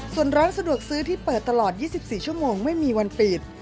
ส่วนร้านสะดวกซื้อที่เปิดตลอด๒๔ชั่วโมงไม่มีวันปิด